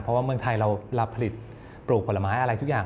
เพราะว่าเมืองไทยเราผลิตปลูกผลไม้อะไรทุกอย่าง